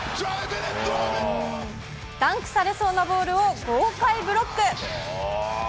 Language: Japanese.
ダンクされそうなボールを豪快ブロック。